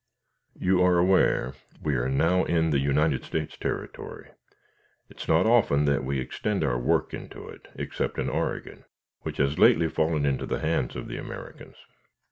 "You are aware we are now in the United States territory. It is not often that we extend our work into it, except in Oregon, which has lately fallen into the hands of the Americans.